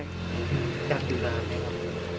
อืมดับอยู่ร้านไหน